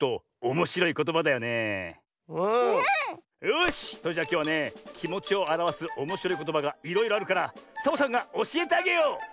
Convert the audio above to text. よしそれじゃあきょうはねきもちをあらわすおもしろいことばがいろいろあるからサボさんがおしえてあげよう！